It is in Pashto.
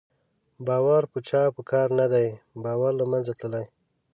باور په چا په کار نه دی، باور له منځه تللی